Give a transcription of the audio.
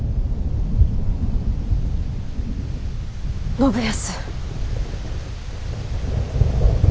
信康。